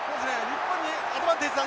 日本にアドバンテージだ。